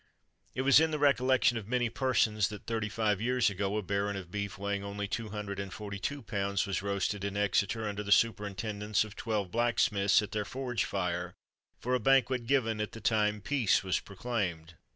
It was in the recollection of many persons, that thirty five years ago a baron of beef, weighing only two hundred and forty two pounds was roasted in Exeter, under the superintendence of twelve blacksmiths, at their forge fire, for a banquet given at the time peace was proclaimed.